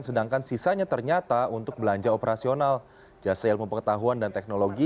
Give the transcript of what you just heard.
sedangkan sisanya ternyata untuk belanja operasional jasa ilmu pengetahuan dan teknologi